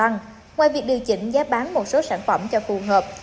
ngoài việc điều chỉnh giá bán một số sản phẩm cho phù hợp